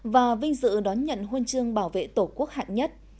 và vinh dự đón nhận huân chương bảo vệ tổ quốc hạng nhất